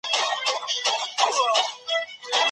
په واده کي د قوم او قبيلې پېژندل څومره مهم دي؟